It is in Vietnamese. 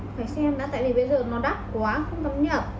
phải xem đã tại vì bây giờ nó đắt quá không dám nhập